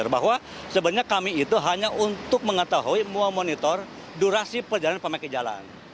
bahwa sebenarnya kami itu hanya untuk mengetahui memonitor durasi perjalanan pemakai jalan